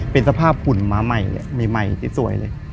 เป็นสภาพฝุ่นม้าใหม่เลยใหม่สวยเลย